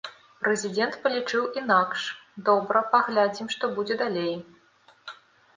Прэзідэнт палічыў інакш, добра, паглядзім, што будзе далей.